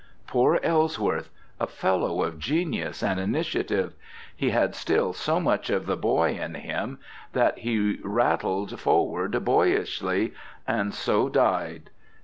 Poor Ellsworth! a fellow of genius and initiative! He had still so much of the boy in him, that he rattled forward boyishly, and so died.